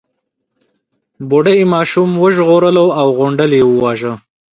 بوډۍ ماشوم وژغورلو او غونډل يې وواژه.